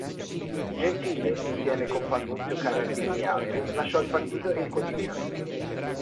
Gentile, insieme con Pannunzio, Carandini e altri, lasciò il partito e il quotidiano.